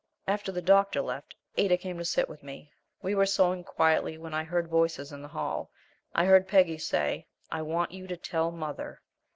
After the doctor left, Ada came to sit with me. We were sewing quietly when I heard voices in the hall. I heard Peggy say, "I want you to tell mother."